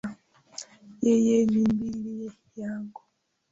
Yeye ni bibi yangu